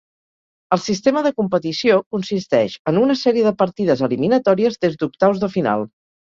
El sistema de competició consisteix en una sèrie de partides eliminatòries des d'octaus de final.